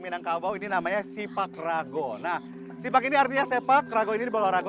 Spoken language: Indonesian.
minangkabau ini namanya sipak rago nah sipak ini artinya sepak rago ini berolahraga